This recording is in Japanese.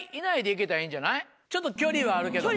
ちょっと距離はあるけども。